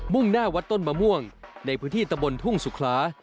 ่งหน้าวัดต้นมะม่วงในพื้นที่ตะบนทุ่งสุขลา